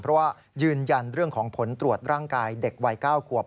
เพราะว่ายืนยันเรื่องของผลตรวจร่างกายเด็กวัย๙ขวบ